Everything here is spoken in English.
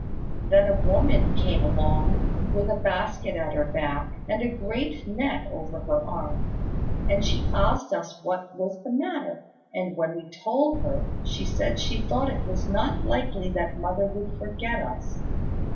Then a woman came along, with a basket at her back, and a great net over her arm: and she asked us what was the matter; and when we told her, she said she thought it was not likely that mother would forget us.